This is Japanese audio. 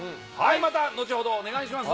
また後ほど、お願いします。